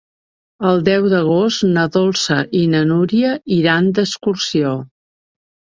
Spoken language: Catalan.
El deu d'agost na Dolça i na Núria iran d'excursió.